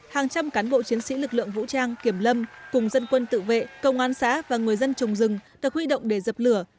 hàng trăm cán bộ chiến sĩ lực lượng vũ trang kiểm lâm cùng dân quân tự vệ công an xã và người dân trồng rừng được huy động để dập lửa